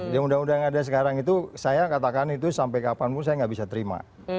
di undang undang yang ada sekarang itu saya katakan itu sampai kapanpun saya nggak bisa terima